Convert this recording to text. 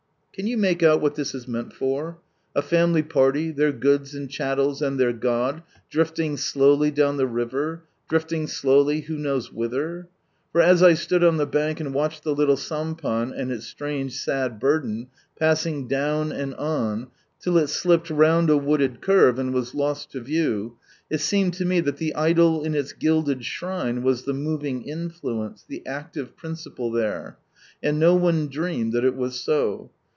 Can you make out what this is meant for? A family party, their goods and chattels, an^i their god, drifting slowly down the river, drifting slowly, who knows whither? For as I stood on the bank, and waiched the little sampan and its 5 ii6 From Sunrise Land sirange sad burden, passing down and on, lill it slipped round a wooded curve, and « as lost to view, it seemed to me that the Idol in its gilded shrine was the moving influence, the active principle there — and no one dreamed that it was so.